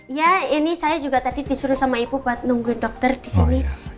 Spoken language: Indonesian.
iya ini saya juga tadi disuruh sama ibu buat nunggu dokter di sini